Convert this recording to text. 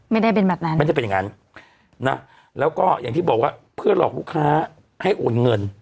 ไม่ได้เป็นแบบนั้นนะแล้วก็อย่างที่บอกว่าเพื่อหลอกลูกค้าให้โอนเงิน